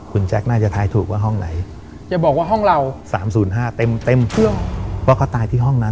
คุณแจ๊คน่าจะท้ายถูกว่าห้องไหนอย่าบอกว่าห้องเรา๓๐๕เต็มว่าเขาตายที่ห้องนั้น